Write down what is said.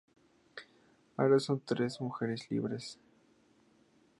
Ahora son tres mujeres libres.